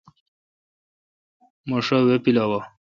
مہ شا وہ پلاوہ۔